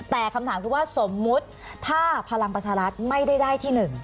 แต่คำถามคือว่าสมมุติถ้าพลังประชารัฐไม่ได้ได้ที่๑